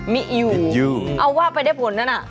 มิอยูเอาว่าไปได้ผลนั่นอะ